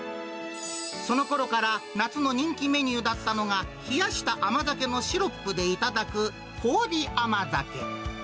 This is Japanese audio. そのころから夏の人気メニューだったのが、冷やした甘酒のシロップで頂く氷甘酒。